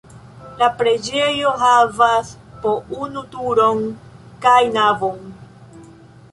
La preĝejo havas po unu turon kaj navon.